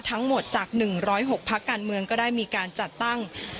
ทั้งหมดจาก๑๐๖พักการเมืองก็ได้มีการจัดตั้ง